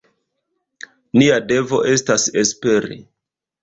Nia devo estas esperi.